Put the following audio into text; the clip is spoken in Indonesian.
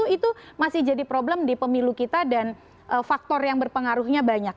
itu masih jadi problem di pemilu kita dan faktor yang berpengaruhnya banyak